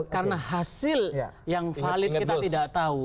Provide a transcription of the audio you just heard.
karena hasil yang valid kita tidak tahu